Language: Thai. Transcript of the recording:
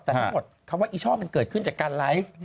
แต่ทั้งหมดคำว่าอีช่อมันเกิดขึ้นจากการไลฟ์